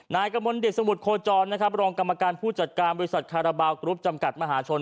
นายกมดิชมุรโฆจอลรองกรรมกรรมการผู้จัดการวิศัทรคาราบาลกรุ๊ปจำกัดมหาชน